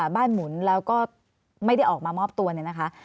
หมุนแล้วก็ไม่ได้ออกมามอบตัวเนี่ยนะคะ